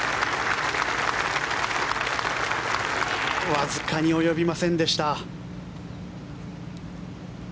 わずかに及びませんでした。